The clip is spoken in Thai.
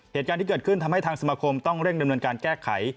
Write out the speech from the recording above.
เหตุการณ์ที่เกิดขึ้นทำให้ทางสมาคมต้องเร่งดำเนินการแก้ไข